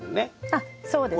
あっそうですね。